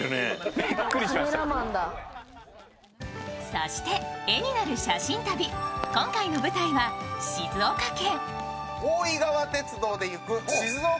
そして絵になる写真旅、今回の舞台は静岡県。